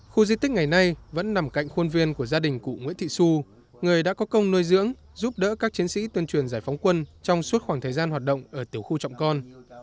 khu di tích ngày nay vẫn nằm cạnh khuôn viên của gia đình cụ nguyễn thị xu người đã có công nuôi dưỡng giúp đỡ các chiến sĩ tuyên truyền giải phóng quân trong suốt khoảng thời gian hoạt động ở tiểu khu trọng con